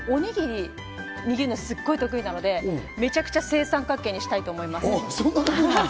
おにぎりを握るのがすごい得意なので、めちゃくちゃ正三角形にしたいと思います。